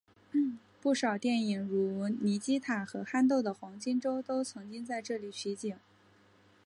不少电影如尼基塔和憨豆的黄金周都曾经在这里取景。